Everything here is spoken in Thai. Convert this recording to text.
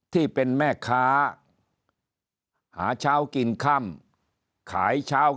ที่เป็นแม่ค้าหาเช้ากินค่ำ